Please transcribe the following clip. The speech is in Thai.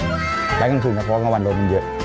รายกล้ามคืนซึ่งต่อกันวันโรงพยาบาลมันเยอะ